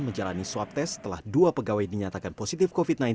menjalani swab test setelah dua pegawai dinyatakan positif covid sembilan belas